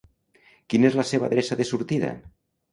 Quina és la seva adreça de sortida?